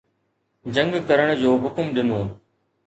جنگ ڪرڻ جو حڪم ڏنو